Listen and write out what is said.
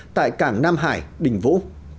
tại cảng nam hải bình vũ